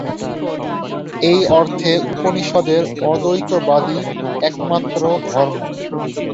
এই অর্থে উপনিষদের অদ্বৈতবাদই একমাত্র ধর্ম।